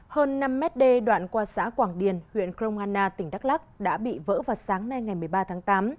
hơn năm mét đê đoạn qua xã quảng điền huyện kroana tỉnh đắk lắc đã bị vỡ vào sáng nay ngày một mươi ba tháng tám